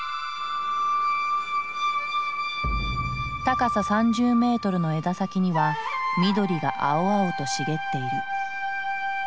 高さ３０メートルの枝先には緑が青々と茂っている。